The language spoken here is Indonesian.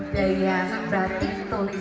jaya batik tulis batik